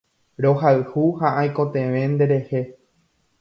Rohayhu ha aikotevẽ nderehe